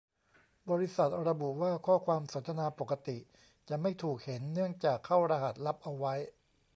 บริษัทระบุว่า ข้อความสนทนาปกติจะไม่ถูกเห็น เนื่องจากเข้ารหัสลับเอาไว้